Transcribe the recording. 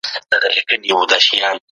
د هرات په صنعت کي د تولید پلان څنګه جوړېږي؟